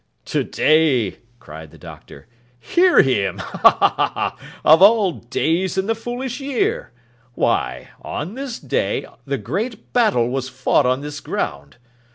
'To day!' cried the Doctor. 'Hear him! Ha, ha, ha! Of all days in the foolish year. Why, on this day, the great battle was fought on this ground.